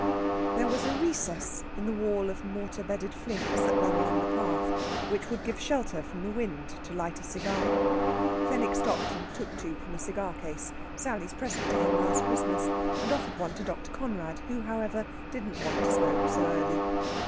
There was a recess in the wall of mortar bedded flints that ran along the path, which would give shelter from the wind to light a cigar. Fenwick stopped and took two from a cigar case, Sally's present to him last Christmas, and offered one to Dr. Conrad, who, however, didn't want to smoke so early.